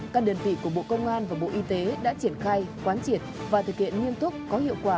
các đơn vị của bộ công an và bộ y tế đã triển khai quán triệt và thực hiện nghiêm túc có hiệu quả